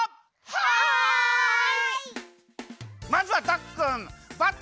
はい！